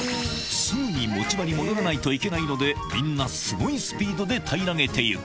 すぐに持ち場に戻らないといけないので、みんなすごいスピードで平らげていく。